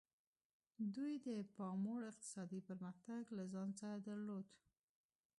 دوی د پاموړ اقتصادي پرمختګ له ځان سره درلود.